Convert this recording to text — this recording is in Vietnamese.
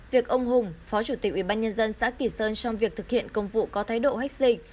việc ông hùng phó chủ tịch ubnd xã kỳ sơn trong việc thực hiện công vụ có thái độ hách dịch